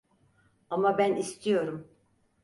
Ama ben istiyorum.